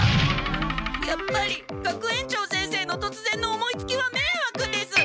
やっぱり学園長先生のとつぜんの思いつきはめいわくです。